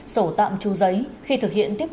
sổ tạm tru giấy khi thực hiện